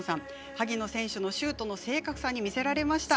萩野選手のシュートの正確さに魅せられました。